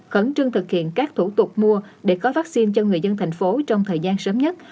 khẩn trương thực hiện các thủ tục mua để có vaccine cho người dân thành phố trong thời gian sớm nhất